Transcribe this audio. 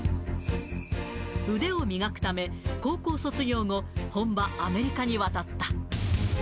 腕を磨くため、高校卒業後、本場、アメリカに渡った。